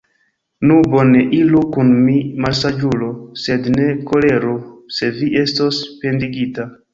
Nu, bone, iru kun mi, malsaĝulo, sed ne koleru, se vi estos pendigita!